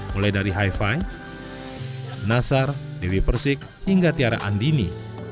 mulai dari hi fi nasar dewi persik hingga tiara andini